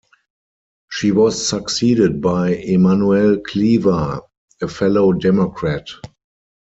She was succeeded by Emanuel Cleaver, a fellow Democrat.